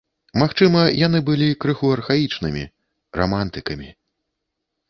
Магчыма, яны былі крыху архаічнымі, рамантыкамі.